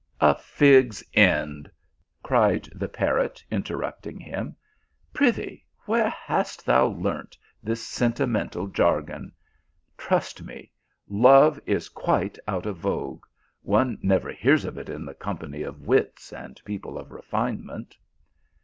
" "A fig s end !" cried the parrot, interrupting him. " Fry thee where hast them learnt this senti mental jargon? Trust me, love is quite out of vogue ; one never hears of it in the company of wits and people of refinement."